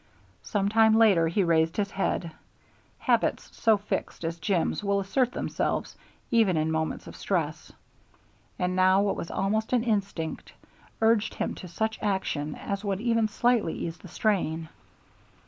Some time later he raised his head. Habits so fixed as Jim's will assert themselves even in moments of stress, and now what was almost an instinct urged him to such action as would even slightly ease the strain.